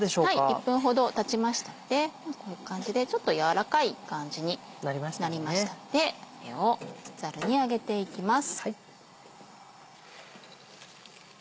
１分ほどたちましたのでこういう感じでちょっと軟らかい感じになりましたのでこれをザルに上げていきます。